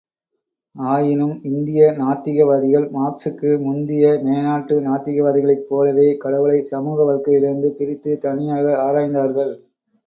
ஆயினும் இந்திய நாத்திகவாதிகள் மார்க்சுக்கு முந்திய மேநாட்டு நாத்திகவாதிகளைப் போலவே கடவுளை சமூக வாழ்க்கையிலிருந்து பிரித்து தனியாக ஆராய்ந்தார்கள்.